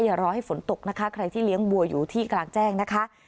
อย่ารอให้ฝนตกนะคะใครที่เลี้ยงบัวอยู่ที่กลางแจ้งนะคะ